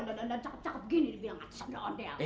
udah udah udah cakep cakep gini